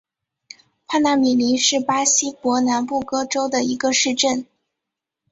帕纳米林是巴西伯南布哥州的一个市镇。